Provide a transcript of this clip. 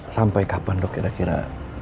sampai kapan dok kira kira